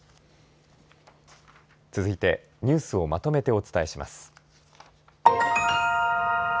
続いてニュースをまとめてお伝えします。